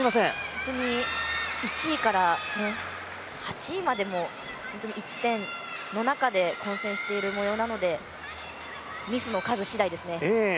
本当に１位から８位までも１点の中で混戦している模様なので、ミスの数次第ですね。